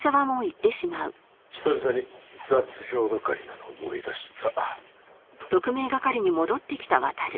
久々に雑用係なの思い出した。